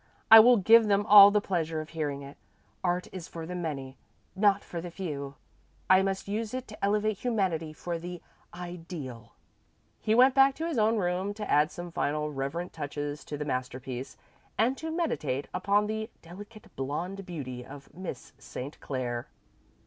"I will give them all the pleasure of hearing it. Art is for the many, not for the few. I must use it to elevate humanity to the Ideal." He went back to his own room to add some final reverent touches to the masterpiece, and to meditate upon the delicate blonde beauty of Miss St. Clair.